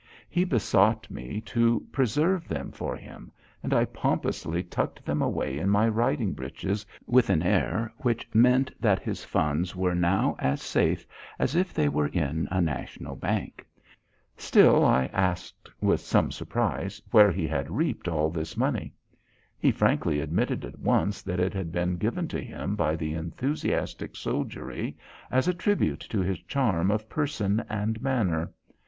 He besought me to preserve them for him, and I pompously tucked them away in my riding breeches, with an air which meant that his funds were now as safe as if they were in a national bank. Still, I asked with some surprise, where he had reaped all this money. He frankly admitted at once that it had been given to him by the enthusiastic soldiery as a tribute to his charm of person and manner.